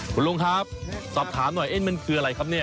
คุณลุงครับสอบถามหน่อยมันคืออะไรครับเนี่ย